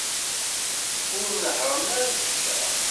Ur nehhṛen ara azekka.